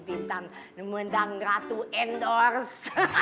bintang menang ratu endorse